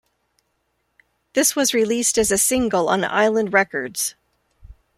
This was released as a single on Island Records.